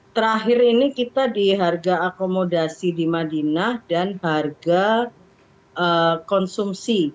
terakhir ini kita di harga akomodasi di madinah dan harga konsumsi